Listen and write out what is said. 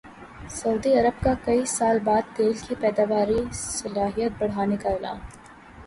سعودی عرب کا کئی سال بعد تیل کی پیداواری صلاحیت بڑھانے کا اعلان